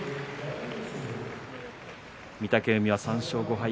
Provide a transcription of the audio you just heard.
御嶽海は３勝５敗。